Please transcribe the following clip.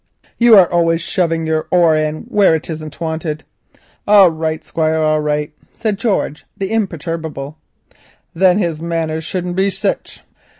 "You are always shoving your oar in where it isn't wanted." "All right, Squire, all right," said George the imperturbable; "thin his manners shouldn't be sich."